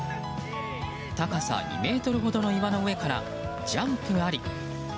高さ２ｍほどの岩の上からジャンプあり。